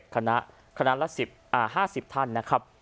๑๑คณะคณะละ๕๐ท่านนะครับ